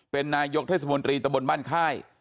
เป็นนายกเทศบรรณีบ้านค่าย